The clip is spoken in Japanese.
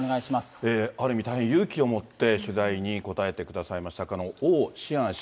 ある意味、大変勇気を持って取材に答えてくださいました、王志安氏。